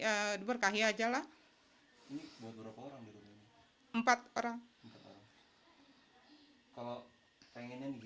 kalau pengennya gimana